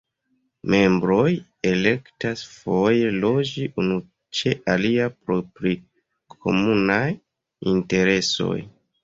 Membroj elektas foje loĝi unu ĉe alia pro pli komunaj interesoj.